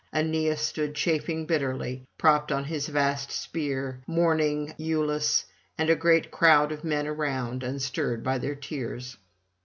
Aeneas stood chafing bitterly, propped on his vast spear, mourning [399 435]Iülus and a great crowd of men around, unstirred by their tears.